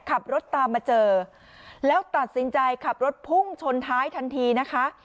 ขับรถตามมาเจอแล้วตัดสินใจขับรถพุ่งชนท้ายทันทีนะคะ